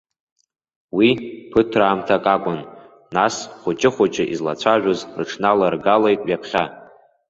Уи ԥыҭраамҭак акәын, нас хәыҷы-хәыҷы излацәажәоз рыҽналаргалеит ҩаԥхьа.